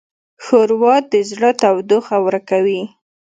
ښوروا د زړه تودوخه ورکوي.